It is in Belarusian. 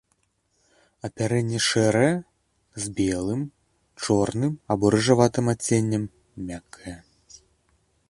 Апярэнне шэрае з белым, чорным або рыжаватым адценнем, мяккае.